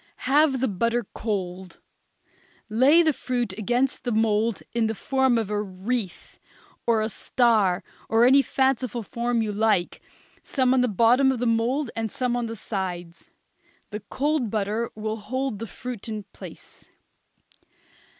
Have the butter cold; lay the fruit against the mould in the form of a wreath, or a star, or any fanciful form you like, some on the bottom of the mould and some on the sides. The cold butter will hold the fruit in place.